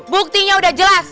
buktinya udah jelas